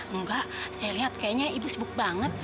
enggak saya lihat kayaknya ibu sibuk banget